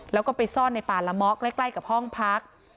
แล้วก็ไปซ่อนในป่าละเมาะใกล้กับห้องพัก